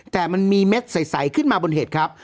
แต่มันมีเม็ดใสขึ้นมาบนเห็ดครับ